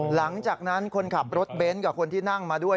หลังจากนั้นคนขับรถเบนท์กับคนที่นั่งมาด้วย